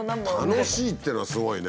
「楽しい」っていうのはすごいね。